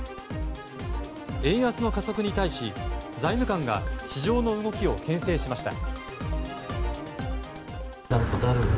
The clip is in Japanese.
円安の加速に対し、財務官が市場の動きを牽制しました。